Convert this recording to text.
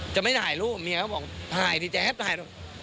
จะไม่ถ่ายรูปเมียก็บอกถ่ายสิแจ๊บถ่ายรูป